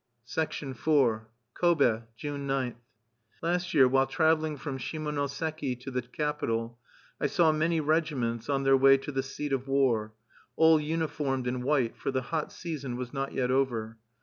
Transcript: IV Kobe, June 9. Last year, while traveling from Shimonoseki to the capital, I saw many regiments on their way to the seat of war, all uniformed in white, for the hot season was not yet over.